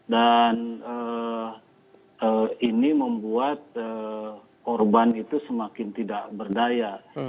dan ini membuat korban itu semakin tidak berdaya